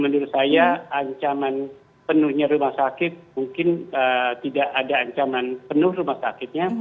menurut saya ancaman penuhnya rumah sakit mungkin tidak ada ancaman penuh rumah sakitnya